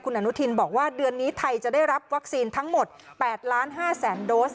อนุทินบอกว่าเดือนนี้ไทยจะได้รับวัคซีนทั้งหมด๘๕๐๐๐โดส